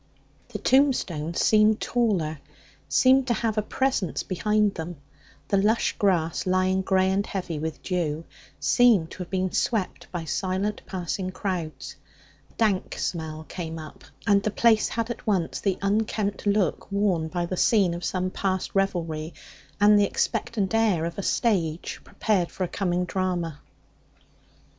The tombstones seemed taller, seemed to have a presence behind them; the lush grass, lying grey and heavy with dew, seemed to have been swept by silent passing crowds. A dank smell came up, and the place had at once the unkempt look worn by the scene of some past revelry and the expectant air of a stage prepared for a coming drama.